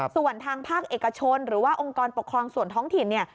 ส่วนทางภาคเอกชนหรือว่าองค์กรปกครองส่วนท้องถิ่นเนี่ย